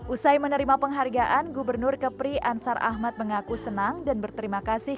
usai menerima penghargaan gubernur kepri ansar ahmad mengaku senang dan berterima kasih